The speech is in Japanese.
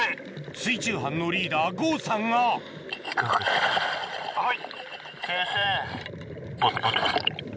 水中班のリーダー剛さんがはい。